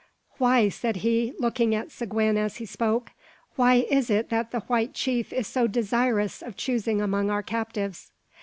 "Why," said he, looking at Seguin as he spoke, "why is it that the white chief is so desirous of choosing among our captives?